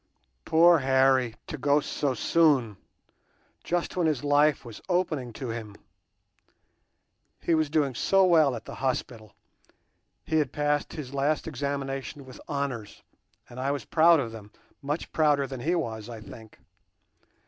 "Poor Harry to go so soon! just when his life was opening to him. He was doing so well at the hospital, he had passed his last examination with honours, and I was proud of them, much prouder than he was, I think.